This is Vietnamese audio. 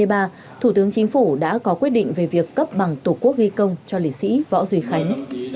thủ tướng chính phủ đã có quyết định về việc cấp bằng tổ quốc ghi công cho liệt sĩ võ duy khánh